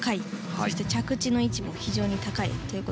そして着地の位置も非常に高い。